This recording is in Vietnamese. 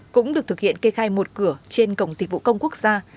cũng được thực hiện kê khai một cửa trên cổng dịch vụ công quốc gia